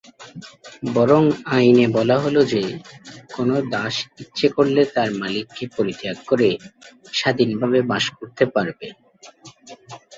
বরং আইনে বলা হলো যে, কোনো দাস ইচ্ছে করলে তার মালিককে পরিত্যাগ করে স্বাধীনভাবে বাস করতে পারবে।